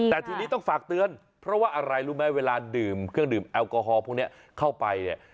แต่ทีนี้ต้องฝากเตือนเพราะว่าอะไรรู้ไหมเวลาดื่มเครื่องดื่มแอลกอฮอลพวกนี้เข้าไปเนี่ย